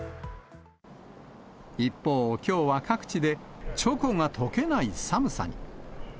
一方、きょうは各地でチョコがとけない寒さに。